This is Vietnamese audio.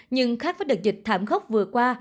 nhưng khác với đợt dịch thảm khốc vừa qua